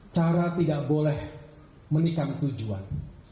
cara tidak boleh menikam tujuan